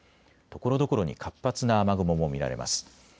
ところどころに活発な雨雲も見られます。